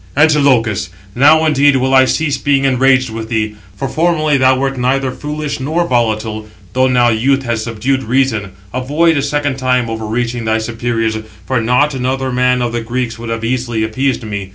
"Antilochus, now indeed will I cease being enraged with thee, for formerly thou wert neither foolish nor volatile; though now youth has subdued reason. Avoid a second time overreaching thy superiors; for not another man of the Greeks would have easily appeased me.